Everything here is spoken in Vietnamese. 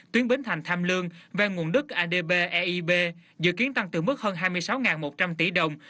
tuyến bến thành tham lương ven nguồn đức adb eib dự kiến tăng từ mức hơn hai mươi sáu một trăm linh tỷ đồng